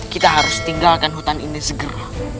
kita harus tinggalkan hutan ini segera